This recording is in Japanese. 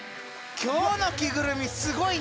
今日の着ぐるみすごいな！